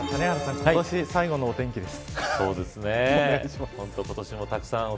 今年、最後の天気です。